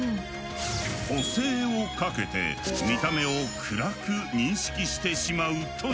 補正をかけて見た目を暗く認識してしまうという。